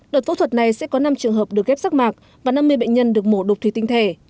đợt phẫu thuật này sẽ có năm trường hợp được ghép rác mạc và năm mươi bệnh nhân được mổ đục thủy tinh thể